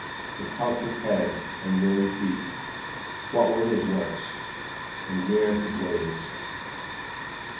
With houseless head, and weary feet, What were his works? and where his ways?